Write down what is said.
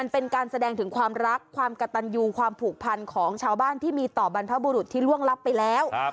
เป็นการแสดงถึงความรักความกระตันยูความผูกพันของชาวบ้านที่มีต่อบรรพบุรุษที่ล่วงลับไปแล้ว